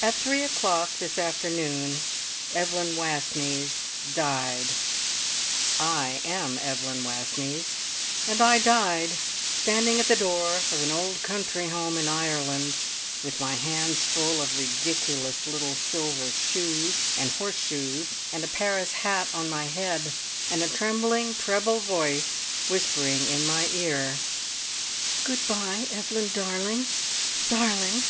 At three o'clock this afternoon Evelyn Wastneys died. I am Evelyn Wastneys, and I died, standing at the door of an old country home in Ireland, with my hands full of ridiculous little silver shoes and horseshoes, and a Paris hat on my head, and a trembling treble voice whispering in my ear: "Good bye, Evelyn darling darling!